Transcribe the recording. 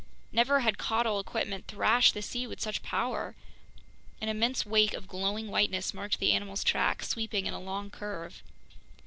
Never had caudal equipment thrashed the sea with such power. An immense wake of glowing whiteness marked the animal's track, sweeping in a long curve.